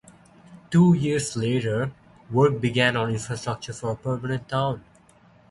Two years later, work began on infrastructure for a permanent town.